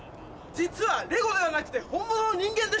実はレゴではなくて本物の人間でした！